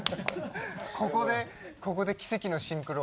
ここでここで奇跡のシンクロ。